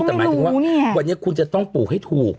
แต่หมายถึงว่าวันนี้คุณจะต้องปลูกให้ถูก